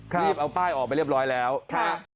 รีบเอาป้ายออกไปเรียบร้อยแล้วค่ะ